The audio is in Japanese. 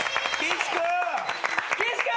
岸君！